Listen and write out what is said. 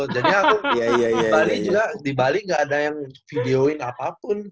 jadi aku di bali juga di bali gak ada yang video in apapun